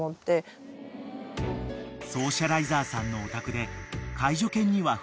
［ソーシャライザーさんのお宅で］